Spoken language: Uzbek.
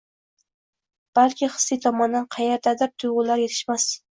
Balki hissiy tomondan qandaydir tuyg‘ular yetishmas?